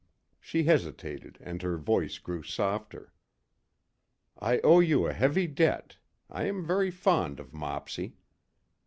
She hesitated, and her voice grew softer. "I owe you a heavy debt I am very fond of Mopsy."